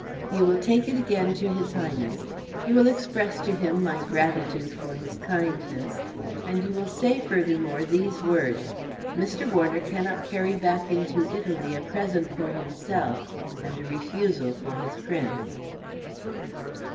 "You will take it again to his Highness. You will express to him my gratitude for his kindness, and you will say furthermore these words: 'Mr. Warner cannot carry back into Italy a present for himself and a refusal for his Prince.'"